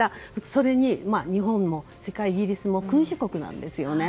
それに日本もそれからイギリスも君主国なんですね。